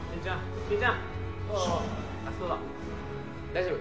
大丈夫？